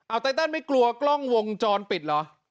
อ้าวไตเติลไม่กลัวกล้องวงจรปิดเหรอ